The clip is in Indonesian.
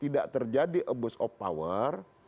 tidak terjadi abuse of power